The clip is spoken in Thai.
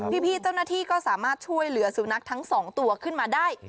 พี่เจ้าหน้าที่ก็สามารถช่วยเหลือสุนัขทั้งสองตัวขึ้นมาได้